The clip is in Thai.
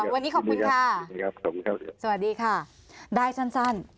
อันนี้ขอบคุณค่ะสวัสดีค่ะได้ชั้น